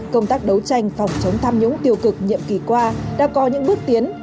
công tác đấu tranh phòng chống tham nhũng tiêu cực nhiệm kỳ qua đã có những bước tiến